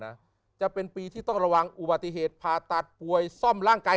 นะจะเป็นปีที่ต้องระวังอุบัติเหตุผ่าตัดป่วยซ่อมร่างกาย